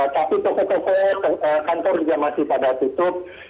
tapi pokok pokok kantor juga masih pada tutup